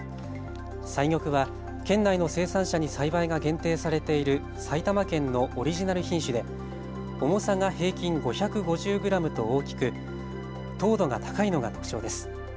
彩玉は県内の生産者に栽培が限定されている埼玉県のオリジナル品種で重さが平均５５０グラムと大きく糖度が高いのが特徴です。